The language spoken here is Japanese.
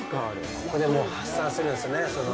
ここでもう発散するんですね。